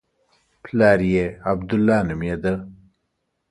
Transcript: پلار یې عبدالله نومېده.